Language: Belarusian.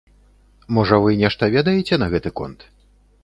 Можа вы нешта ведаеце на гэты конт?